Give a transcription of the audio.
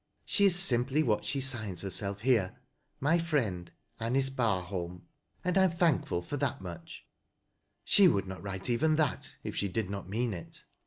" She is simply what she signs herself here, my friend Anice Bar 8 THAT IAS8 0' LOWBIEPS. ho m, and I am thankful for that much. She would aol write even that if she did not mean it."